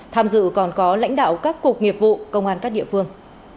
tham dự còn có lãnh đạo các cục nghiệp vụ công an các địa phương